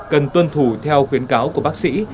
cần tuân thủ theo khuyến cáo của bác sĩ